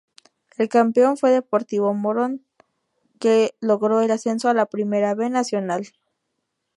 El campeón fue Deportivo Morón, que logró el ascenso a la Primera B Nacional.